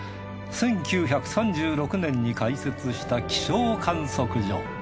１９３６年に開設した気象観測所。